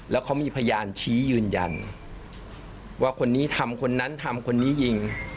แล้วเขามีพยานชี้ยืนยันว่าคนนี้ทำคนนั้นทำคนนี้ยิง